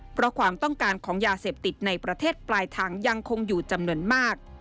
เพราะความต้องการของยาเสพติดในประเทศปลายทางยังคงอยู่จำนวนมาก